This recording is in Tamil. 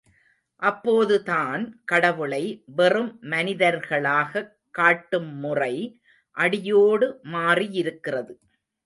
அப்போதுதான் கடவுளை வெறும் மனிதனர்களாகக் காட்டும் முறை அடியோடு மாறியிருக்கிறது.